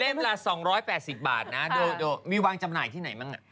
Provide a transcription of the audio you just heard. เล่มละ๒๘๐บาทนะดูมีวางจำหน่ายที่ไหนมั้ง